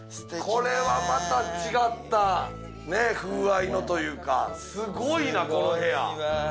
これはまた違った風合いのというか、すごいな、この部屋！